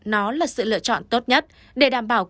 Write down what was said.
nó là sự lựa chọn tốt nhất để đảm bảo